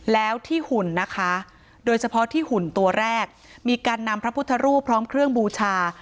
แล้วที่หุ่นนะคะโดยเฉพาะที่หุ่นตัวแรกมีการนำพระพุทธรูปพร้อมเครื่องบูชา